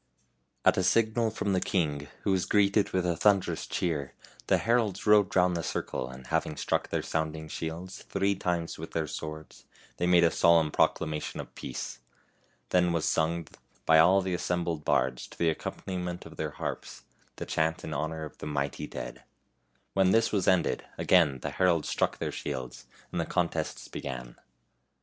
At a signal from the king, who was greeted with a thunderous cheer, the heralds rode round the circle, and having struck their sounding shields three times with their swords, they made a solemn proclamation of peace. Then was sung 88 FAIRY TALES by all the assembled bards, to the accompani ment of their harps, the chant in honor of the mighty dead. When this was ended, again the heralds struck their shields, and the contests be gan.